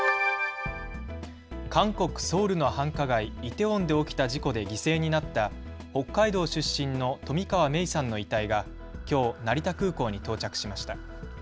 韓国・ソウルの繁華街、イテウォンで起きた事故で犠牲になった北海道出身の冨川芽生さんの遺体がきょう成田空港に到着しました。